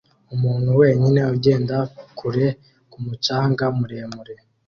umuntu wenyine ugenda kure ku mucanga muremure